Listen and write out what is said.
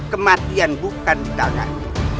kematian bukan tangan